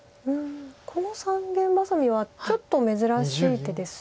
この三間バサミはちょっと珍しい手ですか。